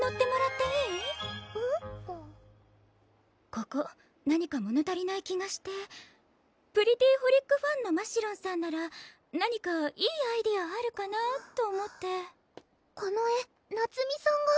ここ何かもの足りない気がしてＰｒｅｔｔｙＨｏｌｉｃファンのましろんさんなら何かいいアイデアあるかなぁと思ってこの絵菜摘さんが？